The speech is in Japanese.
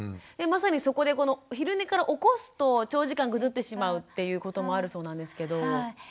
まさにそこで昼寝から起こすと長時間ぐずってしまうっていうこともあるそうなんですけど。